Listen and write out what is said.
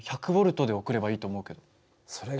１００Ｖで送ればいいと思うけど。